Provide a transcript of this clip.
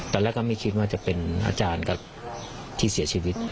ตอนแรกก็ไม่คิดว่าจะเป็นอาจารย์กับที่เสียชีวิต